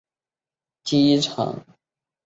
该机场曾经用作英国皇家空军的。